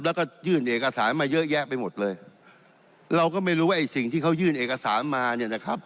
แล้วก็ยื่นเอกสารมาเยอะแยะไปหมดเลยเราก็ไม่รู้ว่าไอ้สิ่งที่เขายื่นเอกสารมาเนี่ยนะครับ